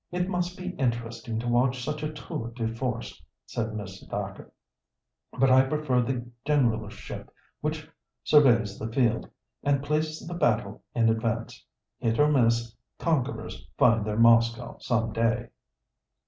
"It must be interesting to watch such a tour de force," said Miss Dacre; "but I prefer the generalship which surveys the field, and places the battle in advance. Hit or miss, conquerors find their Moscow some day."